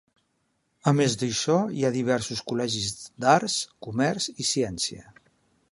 A més d'això, hi ha diversos col·legis d'arts, comerç i ciència.